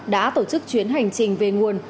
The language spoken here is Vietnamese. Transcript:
đã tổ chức chuyến hành trình về nguồn